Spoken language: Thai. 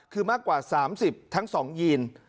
คือมากกว่า๓๐ทั้ง๒ยีน